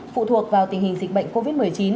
phụ thuộc vào tình hình dịch bệnh covid một mươi chín